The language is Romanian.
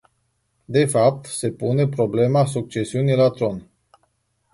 De fapt, se pune problema succesiunii la tron.